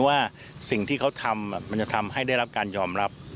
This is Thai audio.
ว่าสิ่งที่เขาทำมันจะทำให้ได้รับการยอมรับ